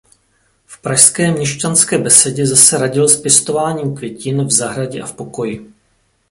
V pražské Měšťanské besedě zase radil s pěstováním květin v zahradě a v pokoji.